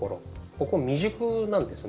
ここ未熟なんですね。